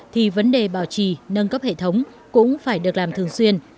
thì vấn đề bảo trì nâng cấp hệ thống cũng phải được làm thường xuyên